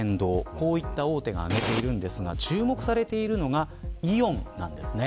こういった大手が上げていますが注目されているのがイオンなんですね。